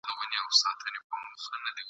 بد نومونه تر قیامته پاته کیږي !.